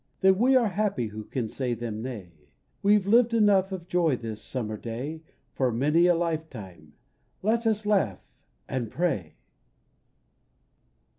Then we are happy who can say them nay : We've lived enough of joy this summer day For many a life time. Let us laugh — and pray